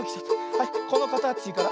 はいこのかたちから。